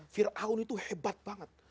fir'aun itu hebat banget